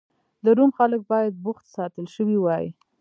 د روم خلک باید بوخت ساتل شوي وای